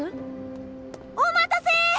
お待たせ！